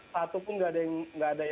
satupun gak ada yang masuk